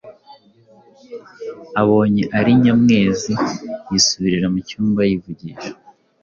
abonye ari Nyamwezi yisubirira mu cyumba yivugisha).